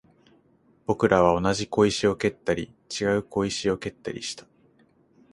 僕らは同じ小石を蹴ったり、違う小石を蹴ったりした